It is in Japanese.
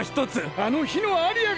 あのひのアリアが。